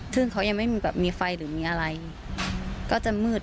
ซึ่งเขายังไม่มีแบบมีไฟหรือมีอะไรก็จะมืด